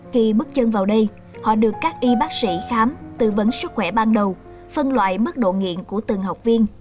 khi bước chân vào đây họ được các y bác sĩ khám tư vấn sức khỏe ban đầu phân loại mức độ nghiện của từng học viên